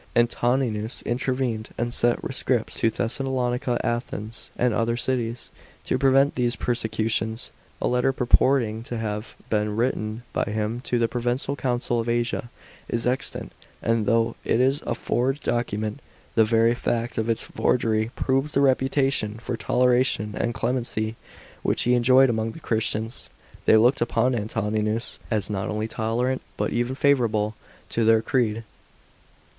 Antoninus intervened, and sent rescripts to Thessalonica, Athens, and other cities, to prevent these persecutions. A letter, purporting to have been written by him to the provincial council of Asia, is extant ; and though it is a forged document, the very fact of its forgery proves the reputation for toleration and clemency which he enjoyed among the Christians. They looked upon Antoninus as not only tolerant, but even favourable to their creed.